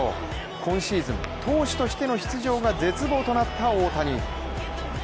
今シーズン、投手としての出場が絶望となった大谷。